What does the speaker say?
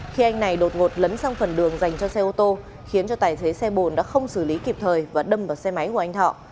khi anh này đột ngột lấn sang phần đường dành cho xe ô tô khiến cho tài xế xe bồn đã không xử lý kịp thời và đâm vào xe máy của anh thọ